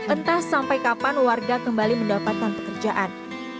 entah sampai kapan warga kembali mendapatkan pekerjaan